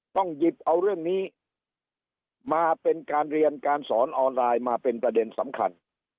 ต้องหยิบเอาเรื่องนี้มาเป็นการเรียนการสอนออนไลน์มาเป็นประเด็นสำคัญ